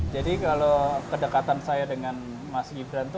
jadi kalau kedekatan saya dengan mas gibran itu